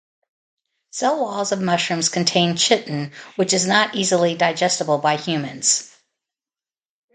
Cell walls of mushrooms contain chitin, which is not easily digestible by humans.